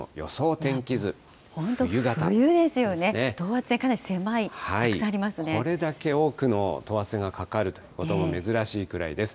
冬ですよね、等圧線かなり狭これだけ多くの等圧線がかかることも珍しいくらいです。